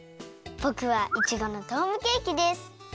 ぼくはいちごのドームケーキです。